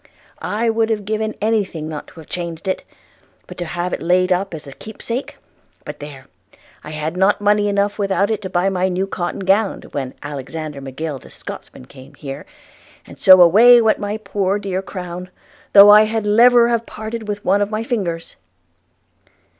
– I would have given any thing not to have changed it, but to have laid it up as a keepsake – But there! – I had not money enough without it to buy my new cotton gown, when Alexander Macgill the Scotchman called here; and so away went my poor dear crown, though I had leverer have parted with one of my fingers.'